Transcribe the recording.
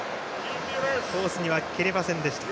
コースには蹴れませんでした。